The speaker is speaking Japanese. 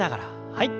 はい。